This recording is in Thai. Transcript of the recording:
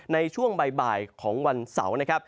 ในช่วงบ่ายของวันเสาร์